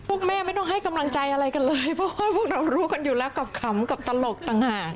แม่ไม่ต้องให้กำลังใจอะไรกันเลยเพราะว่าพวกเรารู้กันอยู่แล้วกับขำกับตลกต่างหาก